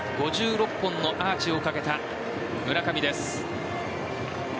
５６本のアーチをかけた村上です。